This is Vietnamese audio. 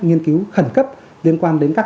nghiên cứu khẩn cấp liên quan đến các